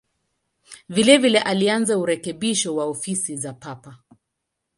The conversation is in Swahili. Vilevile alianza urekebisho wa ofisi za Papa.